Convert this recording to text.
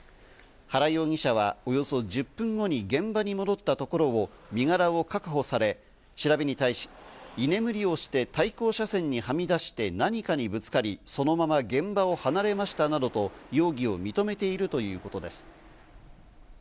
原容疑者はおよそ１０分後に現場に戻ったところを身柄を確保され、調べに対し、居眠りをして対向車線にはみ出して何かにぶつかり、そのまま現場を離れましたなどと容疑を認めているということです。